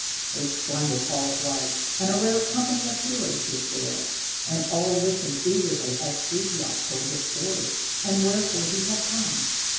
A splendid hall it was, and a rare company of heroes was there; and all listened eagerly as Frithiof told his story, and wherefore he had come.